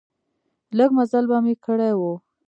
لږ مزل به مې کړی و.